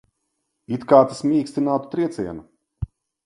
It kā tas mīkstinātu triecienu.